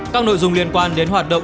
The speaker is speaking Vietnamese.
các nội dung liên quan đến hoạt động